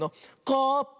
コップ。